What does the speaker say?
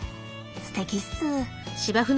すてきっす。